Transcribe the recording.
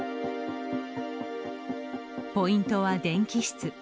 ポイントは電気室。